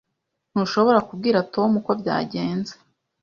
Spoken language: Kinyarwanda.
Ntushobora kubwira Tom uko byagenze.